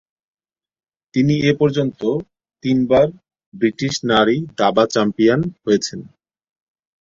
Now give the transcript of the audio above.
তিনি এ পর্যন্ত তিনবার ব্রিটিশ নারী দাবা চ্যাম্পিয়ন হয়েছেন।